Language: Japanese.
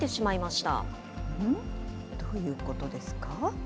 どういうことですか？